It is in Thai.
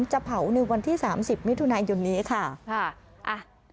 จะเผาในวันที่๓๐มิถุนายนยุ่นนี้ค่ะอ่า